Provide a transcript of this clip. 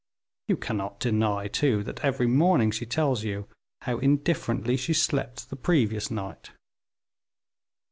You cannot deny, too, that every morning she tells you how indifferently she slept the previous night."